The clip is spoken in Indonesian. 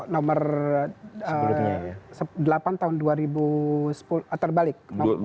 nomor delapan tahun dua ribu sepuluh terbalik